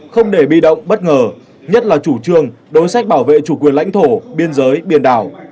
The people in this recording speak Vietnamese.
vấn đề bi động bất ngờ nhất là chủ trương đối sách bảo vệ chủ quyền lãnh thổ biên giới biên đảo